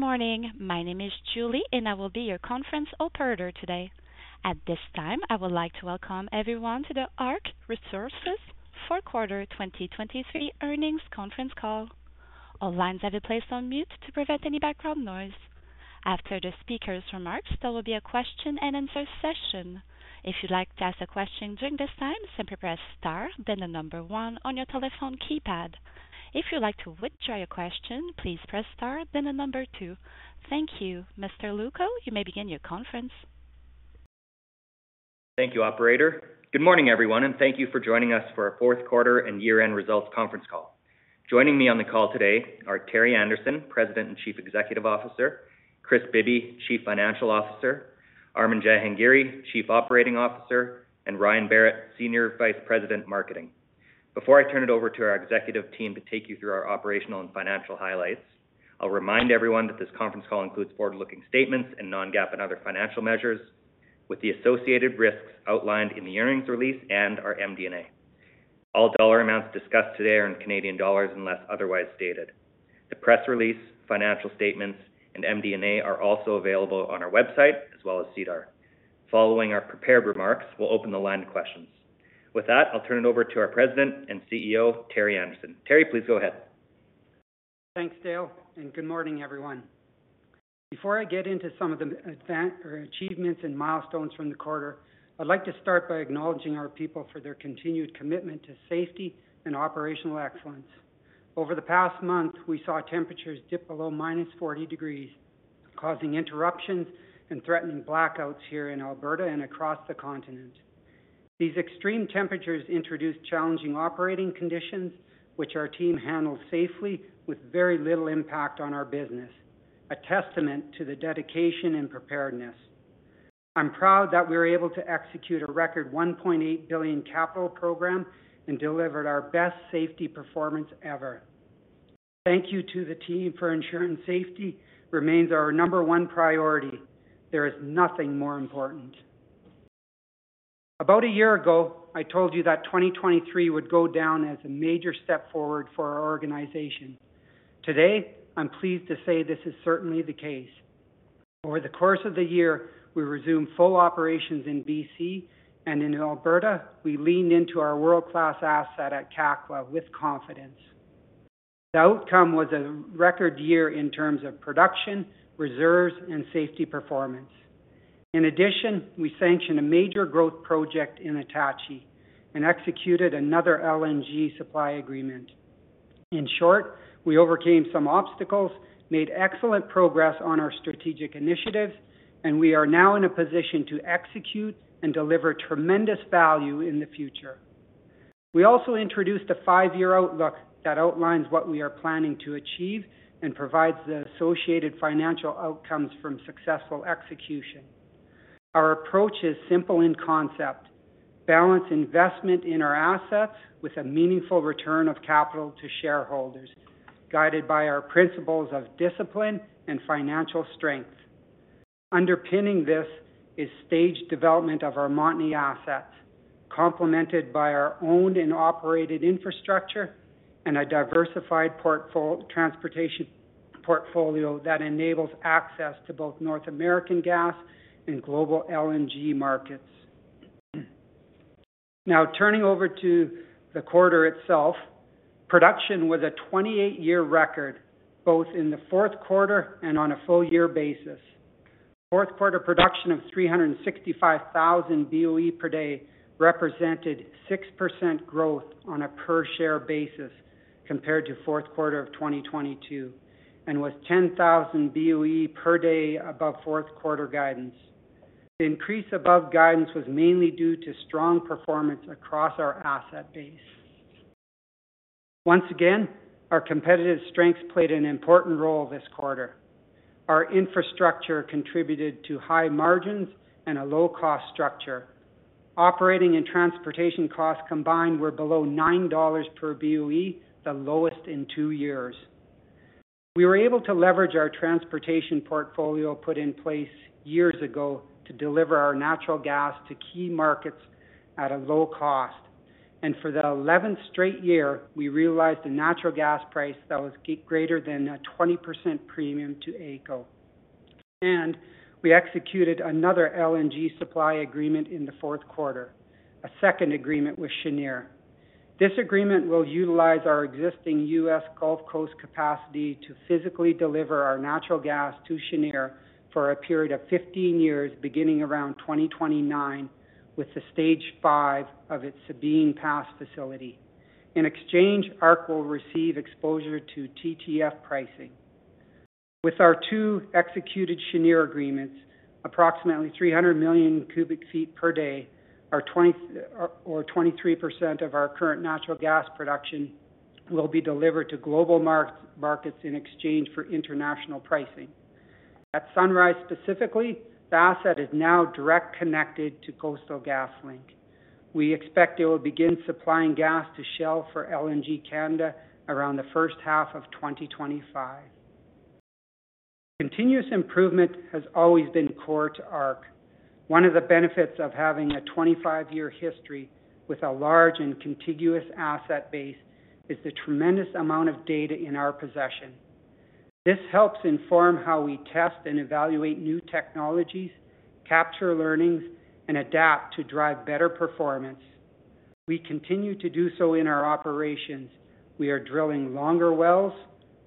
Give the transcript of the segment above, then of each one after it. Good morning. My name is Julie, and I will be your conference operator today. At this time, I would like to welcome everyone to the ARC Resources 4Q 2023 earnings conference call. All lines have been placed on mute to prevent any background noise. After the speaker's remarks, there will be a question-and-answer session. If you'd like to ask a question during this time, simply press * then the number 1 on your telephone keypad. If you'd like to withdraw your question, please press * then the number 2. Thank you. Mr. Lucco, you may begin your conference. Thank you, operator. Good morning, everyone, and thank you for joining us for our 4Q and year-end results conference call. Joining me on the call today are Terry Anderson, President and Chief Executive Officer; Kris Bibby, Chief Financial Officer; Armin Jahangiri, Chief Operating Officer; and Ryan Berrett, Senior Vice President Marketing. Before I turn it over to our executive team to take you through our operational and financial highlights, I'll remind everyone that this conference call includes forward-looking statements and non-GAAP and other financial measures, with the associated risks outlined in the earnings release and our MD&A. All dollar amounts discussed today are in Canadian dollars unless otherwise stated. The press release, financial statements, and MD&A are also available on our website as well as SEDAR. Following our prepared remarks, we'll open the line to questions. With that, I'll turn it over to our President and CEO, Terry Anderson. Terry, please go ahead. Thanks, Dale, and good morning, everyone. Before I get into some of the advances and achievements and milestones from the quarter, I'd like to start by acknowledging our people for their continued commitment to safety and operational excellence. Over the past month, we saw temperatures dip below minus 40 degrees, causing interruptions and threatening blackouts here in Alberta and across the continent. These extreme temperatures introduced challenging operating conditions, which our team handled safely with very little impact on our business, a testament to the dedication and preparedness. I'm proud that we were able to execute a record 1.8 billion capital program and delivered our best safety performance ever. Thank you to the team for ensuring safety remains our number one priority. There is nothing more important. About a year ago, I told you that 2023 would go down as a major step forward for our organization. Today, I'm pleased to say this is certainly the case. Over the course of the year, we resumed full operations in BC, and in Alberta, we leaned into our world-class asset at Kakwa with confidence. The outcome was a record year in terms of production, reserves, and safety performance. In addition, we sanctioned a major growth project in Attachie and executed another LNG supply agreement. In short, we overcame some obstacles, made excellent progress on our strategic initiatives, and we are now in a position to execute and deliver tremendous value in the future. We also introduced a five-year outlook that outlines what we are planning to achieve and provides the associated financial outcomes from successful execution. Our approach is simple in concept: balance investment in our assets with a meaningful return of capital to shareholders, guided by our principles of discipline and financial strength. Underpinning this is staged development of our Montney assets, complemented by our owned and operated infrastructure and a diversified portfolio transportation portfolio that enables access to both North American gas and global LNG markets. Now, turning over to the quarter itself, production was a 28-year record, both in the 4th quarter and on a full-year basis. 4th quarter production of 365,000 BOE per day represented 6% growth on a per-share basis compared to 4th quarter of 2022 and was 10,000 BOE per day above 4th quarter guidance. The increase above guidance was mainly due to strong performance across our asset base. Once again, our competitive strengths played an important role this quarter. Our infrastructure contributed to high margins and a low-cost structure. Operating and transportation costs combined were below 9 dollars per BOE, the lowest in two years. We were able to leverage our transportation portfolio put in place years ago to deliver our natural gas to key markets at a low cost. For the 11th straight year, we realized a natural gas price that was greater than a 20% premium to AECO. We executed another LNG supply agreement in the 4th quarter, a second agreement with Cheniere. This agreement will utilize our existing U.S. Gulf Coast capacity to physically deliver our natural gas to Cheniere for a period of 15 years, beginning around 2029, with the Stage 5 of its Sabine Pass facility. In exchange, ARC will receive exposure to TTF pricing. With our two executed Cheniere agreements, approximately 300 million cubic feet per day, or 23% of our current natural gas production, will be delivered to global markets in exchange for international pricing. At Sunrise specifically, the asset is now directly connected to Coastal GasLink. We expect it will begin supplying gas to Shell for LNG Canada around the first half of 2025. Continuous improvement has always been core to ARC. One of the benefits of having a 25-year history with a large and contiguous asset base is the tremendous amount of data in our possession. This helps inform how we test and evaluate new technologies, capture learnings, and adapt to drive better performance. We continue to do so in our operations. We are drilling longer wells,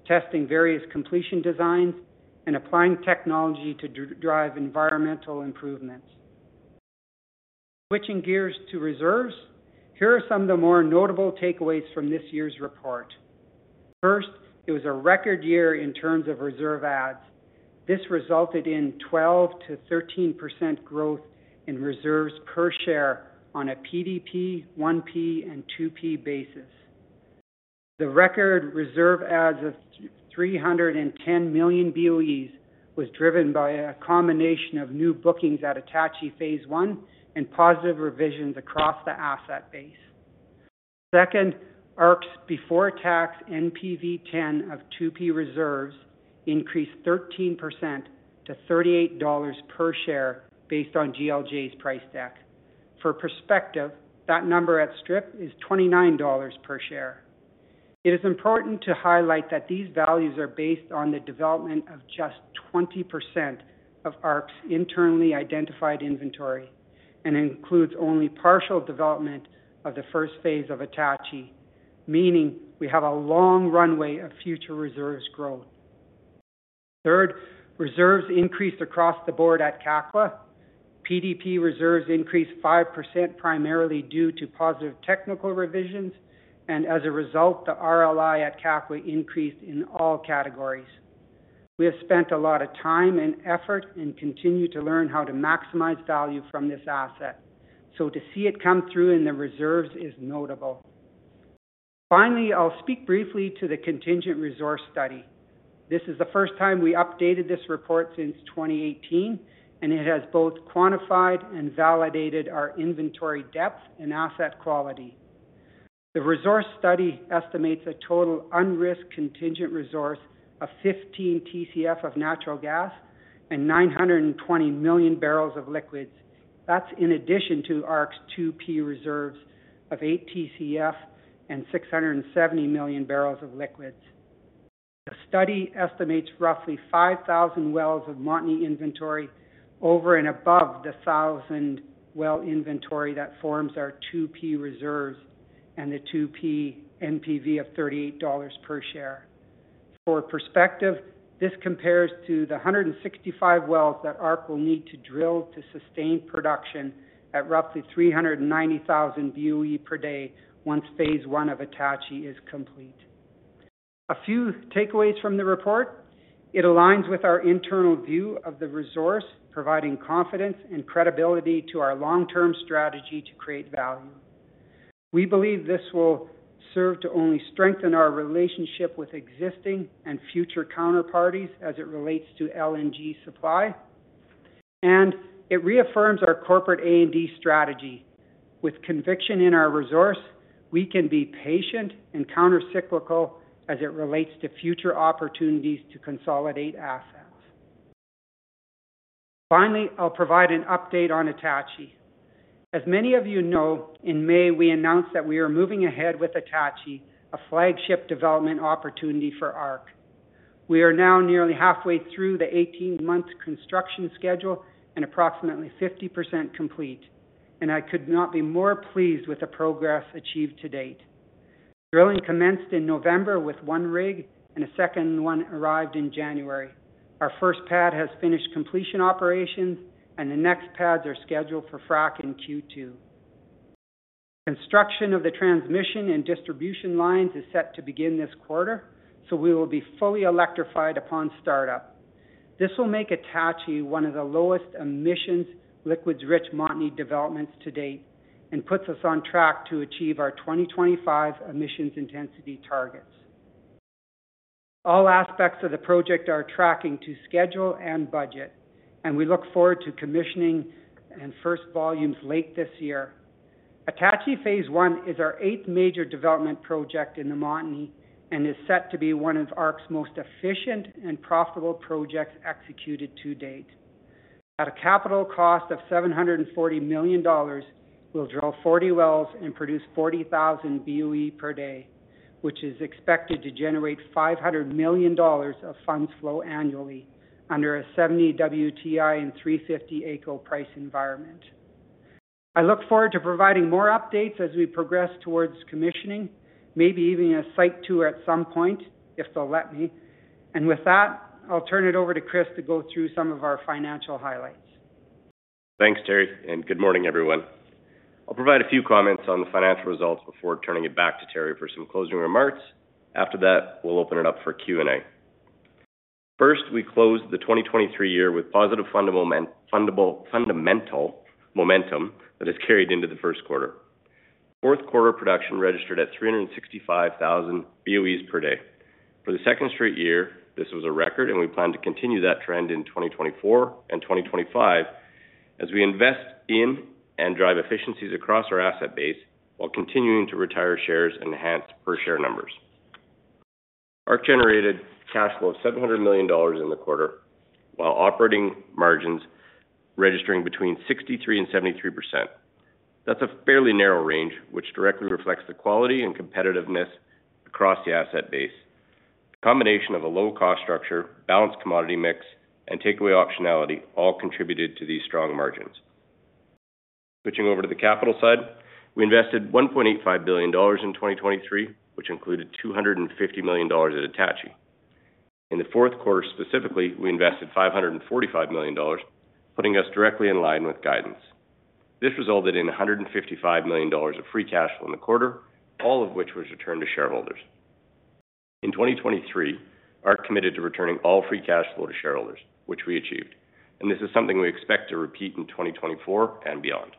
testing various completion designs, and applying technology to drive environmental improvements. Switching gears to reserves, here are some of the more notable takeaways from this year's report. First, it was a record year in terms of reserve adds. This resulted in 12%-13% growth in reserves per share on a PDP, 1P, and 2P basis. The record reserve adds of 310 million BOEs was driven by a combination of new bookings at Attachie Phase 1 and positive revisions across the asset base. Second, ARC's before-tax NPV 10 of 2P reserves increased 13% to 38 dollars per share based on GLJ's price deck. For perspective, that number at Strip is 29 dollars per share. It is important to highlight that these values are based on the development of just 20% of ARC's internally identified inventory and includes only partial development of the first phase of Attachie, meaning we have a long runway of future reserves growth. Third, reserves increased across the board at Kakwa. PDP reserves increased 5% primarily due to positive technical revisions, and as a result, the RLI at Kakwa increased in all categories. We have spent a lot of time and effort and continue to learn how to maximize value from this asset, so to see it come through in the reserves is notable. Finally, I'll speak briefly to the contingent resource study. This is the first time we updated this report since 2018, and it has both quantified and validated our inventory depth and asset quality. The resource study estimates a total unrisked contingent resource of 15 TCF of natural gas and 920 million barrels of liquids. That's in addition to ARC's 2P reserves of 8 TCF and 670 million barrels of liquids. The study estimates roughly 5,000 wells of Montney inventory over and above the 1,000-well inventory that forms our 2P reserves and the 2P NPV of $38 per share. For perspective, this compares to the 165 wells that ARC will need to drill to sustain production at roughly 390,000 BOE per day once Phase 1 of Attachie is complete. A few takeaways from the report: it aligns with our internal view of the resource, providing confidence and credibility to our long-term strategy to create value. We believe this will serve to only strengthen our relationship with existing and future counterparties as it relates to LNG supply, and it reaffirms our corporate A&D strategy. With conviction in our resource, we can be patient and countercyclical as it relates to future opportunities to consolidate assets. Finally, I'll provide an update on Attachie. As many of you know, in May we announced that we are moving ahead with Attachie, a flagship development opportunity for ARC. We are now nearly halfway through the 18-month construction schedule and approximately 50% complete, and I could not be more pleased with the progress achieved to date. Drilling commenced in November with one rig, and a second one arrived in January. Our first pad has finished completion operations, and the next pads are scheduled for frack in Q2. Construction of the transmission and distribution lines is set to begin this quarter, so we will be fully electrified upon startup. This will make Attachie one of the lowest emissions liquids-rich Montney developments to date and puts us on track to achieve our 2025 emissions intensity targets. All aspects of the project are tracking to schedule and budget, and we look forward to commissioning first volumes late this year. Attachie Phase 1 is our eighth major development project in the Montney and is set to be one of ARC's most efficient and profitable projects executed to date. At a capital cost of 740 million dollars, we'll drill 40 wells and produce 40,000 BOE per day, which is expected to generate 500 million dollars of funds flow annually under a 70 WTI and 350 AECO price environment. I look forward to providing more updates as we progress towards commissioning, maybe even a site tour at some point if they'll let me. And with that, I'll turn it over to Kris to go through some of our financial highlights. Thanks, Terry, and good morning, everyone. I'll provide a few comments on the financial results before turning it back to Terry for some closing remarks. After that, we'll open it up for Q&A. First, we closed the 2023 year with positive fundamental momentum that has carried into the first quarter. Fourth quarter production registered at 365,000 BOEs per day. For the second straight year, this was a record, and we plan to continue that trend in 2024 and 2025 as we invest in and drive efficiencies across our asset base while continuing to retire shares and enhance per-share numbers. ARC generated cash flow of 700 million dollars in the quarter while operating margins registering between 63%-73%. That's a fairly narrow range, which directly reflects the quality and competitiveness across the asset base. A combination of a low-cost structure, balanced commodity mix, and takeaway optionality all contributed to these strong margins. Switching over to the capital side, we invested 1.85 billion dollars in 2023, which included 250 million dollars at Attachie. In the fourth quarter specifically, we invested 545 million dollars, putting us directly in line with guidance. This resulted in 155 million dollars of free cash flow in the quarter, all of which was returned to shareholders. In 2023, ARC committed to returning all free cash flow to shareholders, which we achieved. This is something we expect to repeat in 2024 and beyond.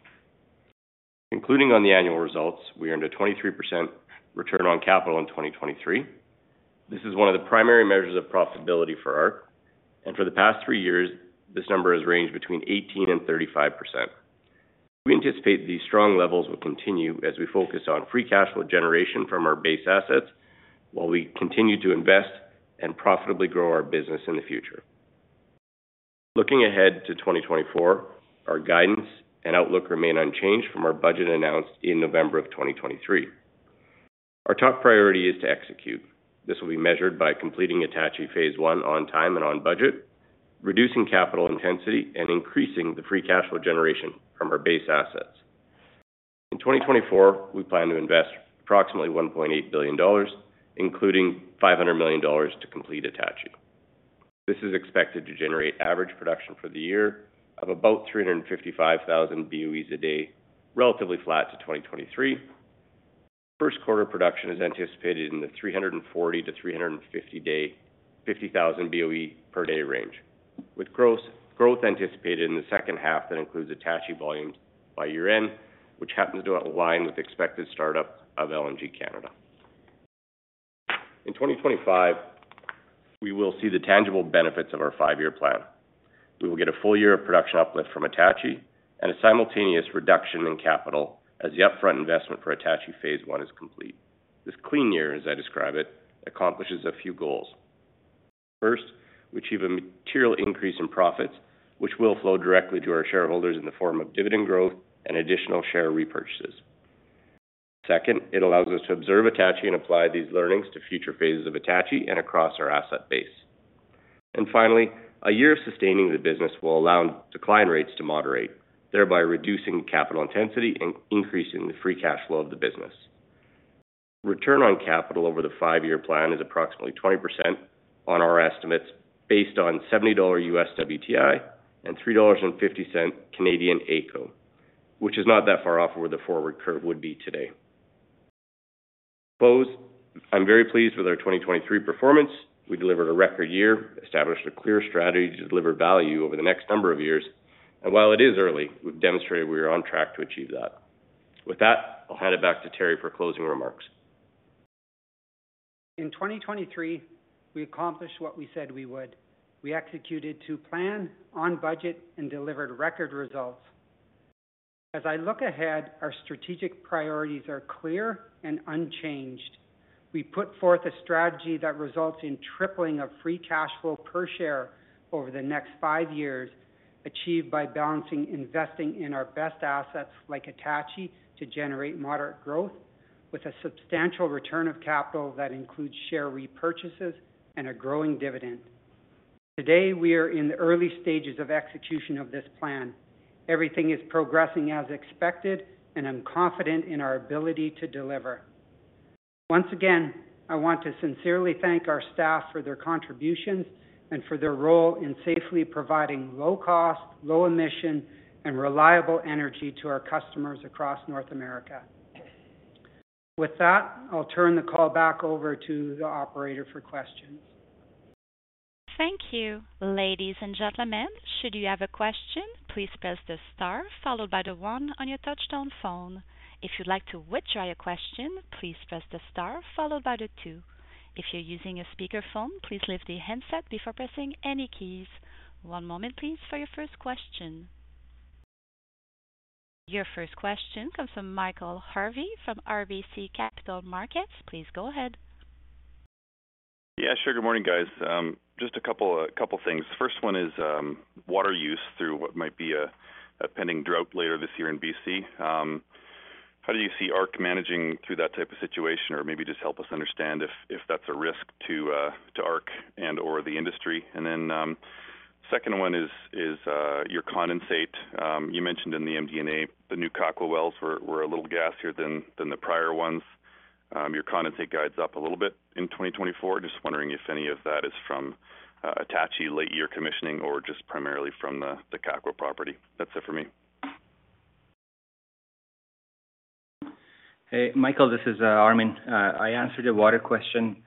Concluding on the annual results, we earned a 23% return on capital in 2023. This is one of the primary measures of profitability for ARC. For the past three years, this number has ranged between 18% and 35%. We anticipate these strong levels will continue as we focus on free cash flow generation from our base assets while we continue to invest and profitably grow our business in the future. Looking ahead to 2024, our guidance and outlook remain unchanged from our budget announced in November of 2023. Our top priority is to execute. This will be measured by completing Attachie Phase 1 on time and on budget, reducing capital intensity, and increasing the free cash flow generation from our base assets. In 2024, we plan to invest approximately 1.8 billion dollars, including 500 million dollars to complete Attachie. This is expected to generate average production for the year of about 355,000 BOEs a day, relatively flat to 2023. First quarter production is anticipated in the 340,000-350,000 BOE per day range, with growth anticipated in the second half that includes Attachie volumes by year-end, which happens to align with expected startup of LNG Canada. In 2025, we will see the tangible benefits of our five-year plan. We will get a full year of production uplift from Attachie and a simultaneous reduction in capital as the upfront investment for Attachie Phase 1 is complete. This clean year, as I describe it, accomplishes a few goals. First, we achieve a material increase in profits, which will flow directly to our shareholders in the form of dividend growth and additional share repurchases. Second, it allows us to observe Attachie and apply these learnings to future phases of Attachie and across our asset base. Finally, a year of sustaining the business will allow decline rates to moderate, thereby reducing capital intensity and increasing the free cash flow of the business. Return on capital over the five-year plan is approximately 20% on our estimates based on $70 U.S. WTI and 3.50 Canadian dollars AECO, which is not that far off where the forward curve would be today. BOEs, I'm very pleased with our 2023 performance. We delivered a record year, established a clear strategy to deliver value over the next number of years. And while it is early, we've demonstrated we are on track to achieve that. With that, I'll hand it back to Terry for closing remarks. In 2023, we accomplished what we said we would. We executed to plan, on budget, and delivered record results. As I look ahead, our strategic priorities are clear and unchanged. We put forth a strategy that results in tripling of Free Cash Flow per share over the next five years, achieved by balancing investing in our best assets like Attachie to generate moderate growth with a substantial return of capital that includes share repurchases and a growing dividend. Today, we are in the early stages of execution of this plan. Everything is progressing as expected, and I'm confident in our ability to deliver. Once again, I want to sincerely thank our staff for their contributions and for their role in safely providing low-cost, low-emission, and reliable energy to our customers across North America. With that, I'll turn the call back over to the operator for questions. Thank you, ladies and gentlemen. Should you have a question, please press the star followed by the 1 on your touch-tone phone. If you'd like to withdraw your question, please press the star followed by the 2. If you're using a speakerphone, please leave the headset before pressing any keys. One moment, please, for your first question. Your first question comes from Michael Harvey from RBC Capital Markets. Please go ahead. Yeah, sure. Good morning, guys. Just a couple of things. First one is water use through what might be a pending drought later this year in BC. How do you see ARC managing through that type of situation, or maybe just help us understand if that's a risk to ARC and/or the industry? And then the second one is your condensate. You mentioned in the MD&A the new Kakwa wells were a little gasier than the prior ones. Your condensate guides up a little bit in 2024. Just wondering if any of that is from Attachie late-year commissioning or just primarily from the Kakwa property. That's it for me. Hey, Michael, this is Armin. I'll answer your water question.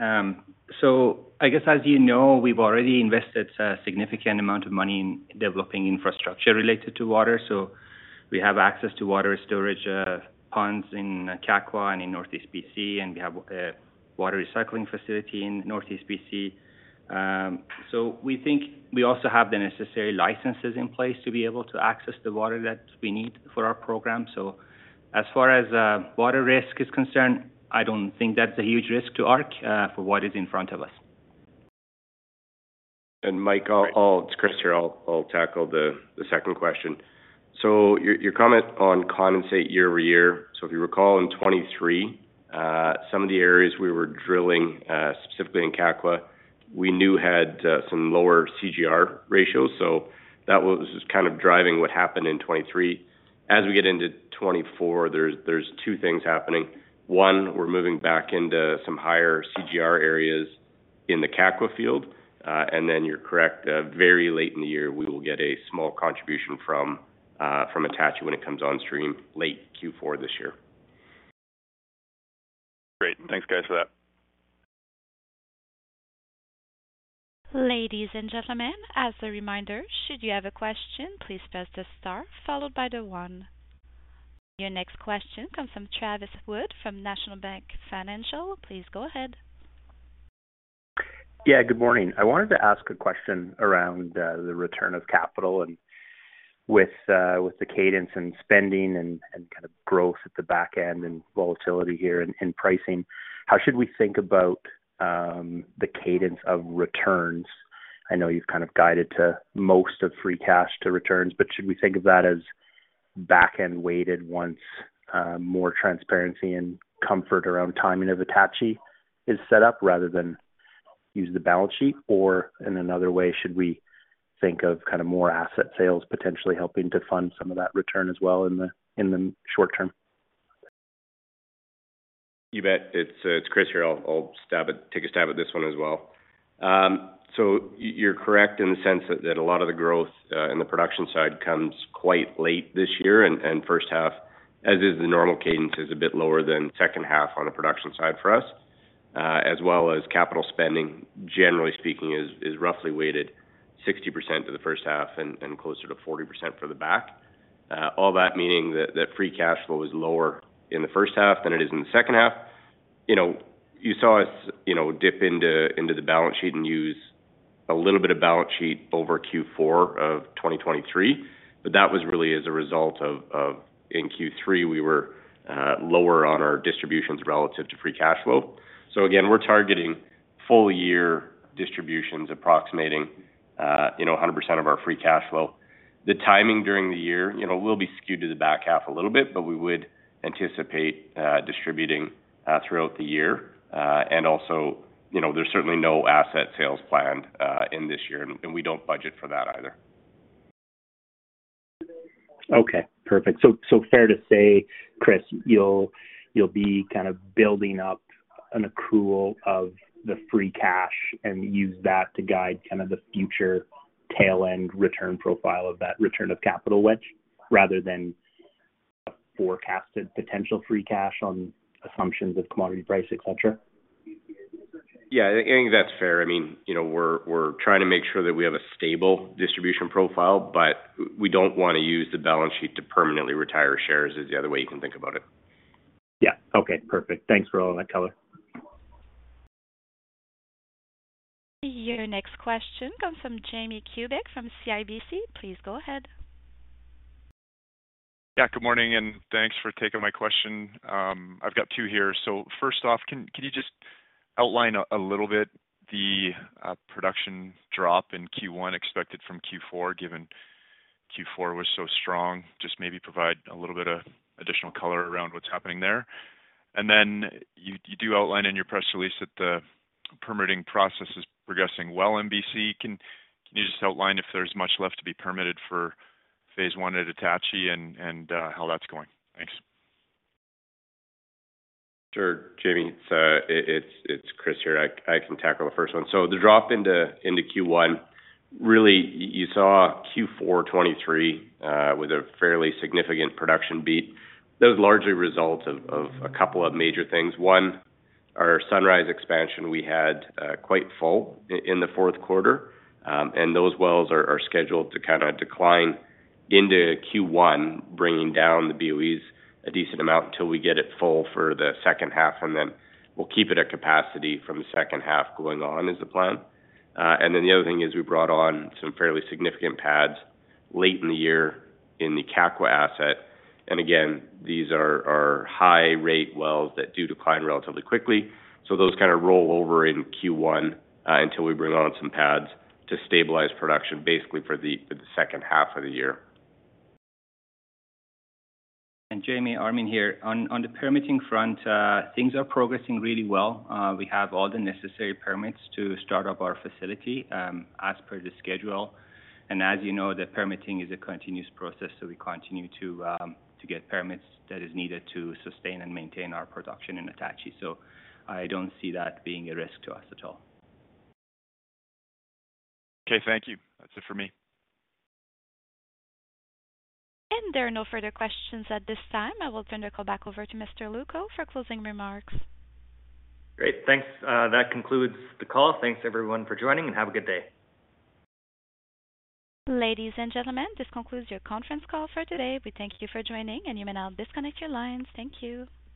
So I guess, as you know, we've already invested a significant amount of money in developing infrastructure related to water. So we have access to water storage ponds in Kakwa and in Northeast B.C., and we have a water recycling facility in Northeast B.C. So we think we also have the necessary licenses in place to be able to access the water that we need for our program. So as far as water risk is concerned, I don't think that's a huge risk to ARC for what is in front of us. Michael, it's Kris here. I'll tackle the second question. So your comment on condensate year-over-year. So if you recall, in 2023, some of the areas we were drilling, specifically in Kakwa, we knew had some lower CGR ratios. So that was kind of driving what happened in 2023. As we get into 2024, there are two things happening. One, we're moving back into some higher CGR areas in the Kakwa field. And then you're correct, very late in the year, we will get a small contribution from Attachie when it comes on stream late Q4 this year. Great. Thanks, guys, for that. Ladies and gentlemen, as a reminder, should you have a question, please press the * followed by the 1. Your next question comes from Travis Wood from National Bank Financial. Please go ahead. Yeah, good morning. I wanted to ask a question around the return of capital. With the cadence and spending and kind of growth at the back end and volatility here in pricing, how should we think about the cadence of returns? I know you've kind of guided to most of free cash to returns, but should we think of that as back-end weighted once more transparency and comfort around timing of Attachie is set up rather than use the balance sheet? Or in another way, should we think of kind of more asset sales potentially helping to fund some of that return as well in the short term? You bet. It's Kris here. I'll take a stab at this one as well. So you're correct in the sense that a lot of the growth in the production side comes quite late this year, and first half, as is the normal cadence, is a bit lower than second half on the production side for us, as well as capital spending, generally speaking, is roughly weighted 60% to the first half and closer to 40% for the back, all that meaning that free cash flow is lower in the first half than it is in the second half. You saw us dip into the balance sheet and use a little bit of balance sheet over Q4 of 2023, but that was really as a result of in Q3, we were lower on our distributions relative to free cash flow. So again, we're targeting full-year distributions approximating 100% of our Free Cash Flow. The timing during the year will be skewed to the back half a little bit, but we would anticipate distributing throughout the year. Also, there's certainly no asset sales planned in this year, and we don't budget for that either. Okay, perfect. So fair to say, Kris, you'll be kind of building up an accrual of the free cash and use that to guide kind of the future tail-end return profile of that return of capital wedge rather than a forecasted potential free cash on assumptions of commodity price, etc. Yeah, I think that's fair. I mean, we're trying to make sure that we have a stable distribution profile, but we don't want to use the balance sheet to permanently retire shares, is the other way you can think about it. Yeah. Okay, perfect. Thanks for all that color. Your next question comes from Jamie Kubik from CIBC. Please go ahead. Yeah, good morning, and thanks for taking my question. I've got two here. So first off, can you just outline a little bit the production drop in Q1 expected from Q4, given Q4 was so strong? Just maybe provide a little bit of additional color around what's happening there. And then you do outline in your press release that the permitting process is progressing well in BC. Can you just outline if there's much left to be permitted for Phase 1 at Attachie and how that's going? Thanks. Sure, Jamie. It's Kris here. I can tackle the first one. So the drop into Q1, really, you saw Q4 2023 with a fairly significant production beat. That was largely a result of a couple of major things. One, our Sunrise expansion, we had quite full in the fourth quarter. And those wells are scheduled to kind of decline into Q1, bringing down the BOEs a decent amount until we get it full for the second half, and then we'll keep it at capacity from the second half going on is the plan. And then the other thing is we brought on some fairly significant pads late in the year in the Kakwa asset. And again, these are high-rate wells that do decline relatively quickly. So those kind of roll over in Q1 until we bring on some pads to stabilize production, basically for the second half of the year. Jamie, Armin here. On the permitting front, things are progressing really well. We have all the necessary permits to start up our facility as per the schedule. As you know, the permitting is a continuous process, so we continue to get permits that are needed to sustain and maintain our production in Attachie. I don't see that being a risk to us at all. Okay, thank you. That's it for me. There are no further questions at this time. I will turn the call back over to Mr. Lucco for closing remarks. Great. Thanks. That concludes the call. Thanks, everyone, for joining, and have a good day. Ladies and gentlemen, this concludes your conference call for today. We thank you for joining, and you may now disconnect your lines. Thank you.